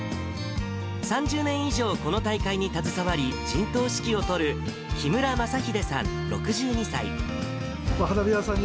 ３０年以上この大会に携わり、陣頭指揮を執る木村まさひでさん６２歳。